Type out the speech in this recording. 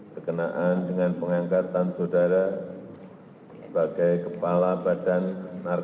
berkenaan dengan pengangkatan saudara sebagai kepala bnn